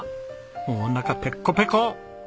もうおなかペッコペコ。